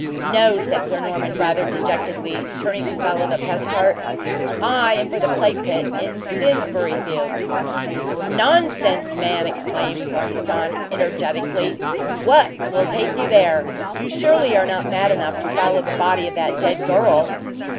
"No!" said Sir Norman, rather dejectedly, turning to follow the pest cart. "I am for the plague pit in Finsbury fields!" "Nonsense, man!" exclaimed Ormiston, energetically, "what will take you there? You surely are not mad enough to follow the body of that dead girl?"